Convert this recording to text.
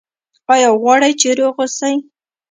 ایا غواړئ چې روغ اوسئ؟